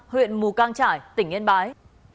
huyện mù cang trải tỉnh yên bái